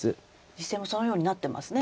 実戦もそのようになってますね。